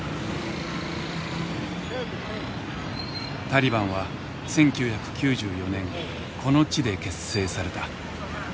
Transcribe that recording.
タリバンは１９９４年この地で結成された。